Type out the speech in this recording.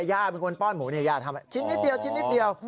ย่าเป็นคนป้อนหมูย่าทำชิ้นนิดเดียว